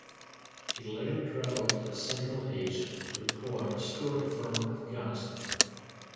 He later traveled to Central Asia to report on the story from Afghanistan.